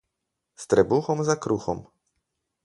S trebuhom za kruhom.